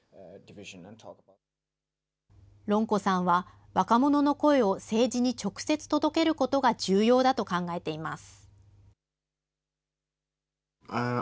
ロンコさんは若者の声を政治に直接届けることが重要だと考えています。